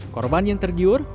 korban yang tergiur